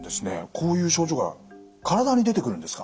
こういう症状が体に出てくるんですか？